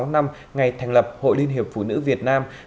tám mươi sáu năm ngày thành lập hội liên hiệp phụ nữ việt nam